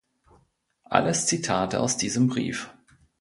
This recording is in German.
Alles Zitate aus diesem Brief.